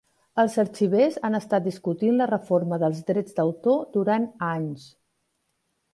Els arxivers han estat discutint la reforma dels drets d'autor durant anys.